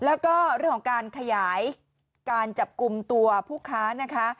แล้วก็เรื่องของการขยายการจับกลุ่มตัวผู้ค้านะคะ